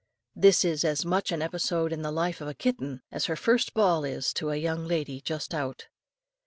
This is as much an episode in the life of a kitten, as her first ball is to a young lady just out.